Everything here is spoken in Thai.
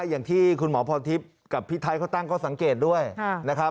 อย่างที่คุณหมอพรทิพย์กับพี่ไทยเขาตั้งข้อสังเกตด้วยนะครับ